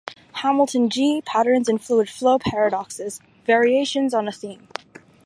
Hamilton G: Patterns in Fluid Flow Paradoxes - Variations on a Theme.